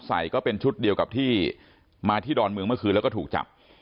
ก็เป็นชุดเดียวกับที่มาที่ดอนเมืองเมื่อคืนแล้วก็ถูกจับ